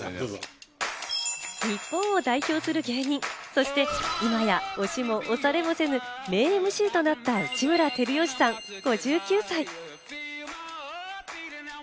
日本を代表する芸人、そして今や押しも押されもせぬ名ＭＣとなった内村光良さん、５９歳。